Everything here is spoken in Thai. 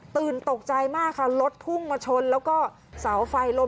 ตกใจมากค่ะรถพุ่งมาชนแล้วก็เสาไฟล้ม